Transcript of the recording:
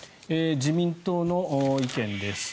自民党の意見です。